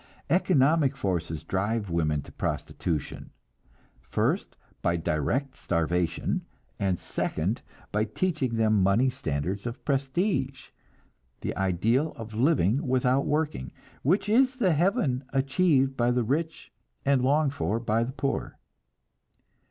Economic forces drive women to prostitution, first, by direct starvation, and second, by teaching them money standards of prestige, the ideal of living without working, which is the heaven achieved by the rich and longed for by the poor.